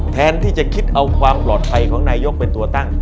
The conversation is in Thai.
แทนที่จะคิดเอาความปลอดภัยของนายกเป็นตัวตั้ง